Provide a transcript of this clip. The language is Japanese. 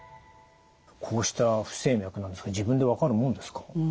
こうした不整脈なんですけど自分で分かるもんですか？